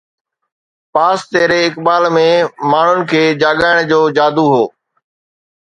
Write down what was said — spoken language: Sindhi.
پاس تيري اقبال ۾ ماڻهن کي جاڳائڻ جو جادو هو